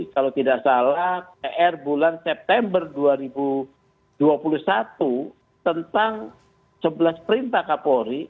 kalau tidak salah pr bulan september dua ribu dua puluh satu tentang sebelas perintah kapolri